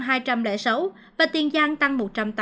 hồ chí minh tăng hai trăm linh sáu và tiền giang tăng một trăm tám mươi